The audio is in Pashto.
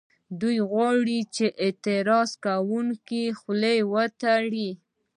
دوی غواړي چې د اعتراض کوونکو خولې وتړي